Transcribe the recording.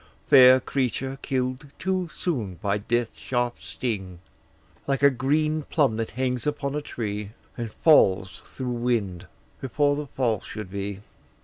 Fair creature, kill'd too soon by death's sharp sting! Like a green plum that hangs upon a tree, And falls, through wind, before the fall should he.